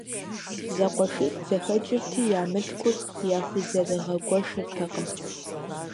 ЗэкъуэшитӀ зэхэкӀырти, я мылъкур яхузэрыгъэгуэшыртэкъым.